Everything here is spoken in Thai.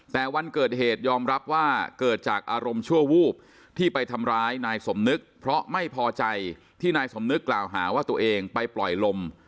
แต่วันเกิดเหตุยอมรับว่าเกิดจากอารมณ์ชั่ววูบที่ไปทำร้ายนายสมนึกเพราะไม่พอใจที่นายสมนึกกล่าวหาว่าตัวเองไปปล่อยลม